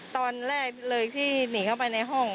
ตอนแรกเลยที่หนีเข้าไปในห้อง